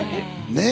ねえ？